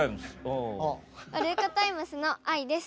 ワルイコタイムスのあいです。